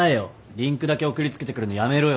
リンクだけ送り付けてくるのやめろよな。